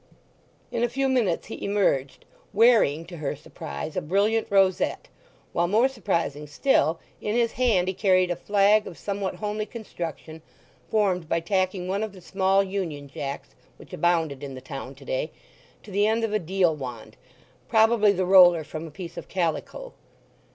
In a few minutes he emerged, wearing, to her surprise, a brilliant rosette, while more surprising still, in his hand he carried a flag of somewhat homely construction, formed by tacking one of the small Union Jacks, which abounded in the town to day, to the end of a deal wand—probably the roller from a piece of calico.